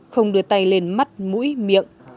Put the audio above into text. không đưa tay lên mắt mũi miệng